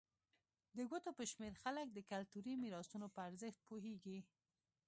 د ګوتو په شمېر خلک د کلتوري میراثونو په ارزښت پوهېږي.